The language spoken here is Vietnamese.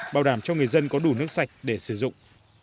bảo đảm cho người dân có đủ nước sạch để sử dụng